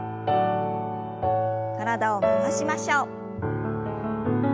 体を回しましょう。